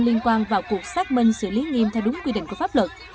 liên quan vào cuộc xác minh xử lý nghiêm theo đúng quy định của pháp luật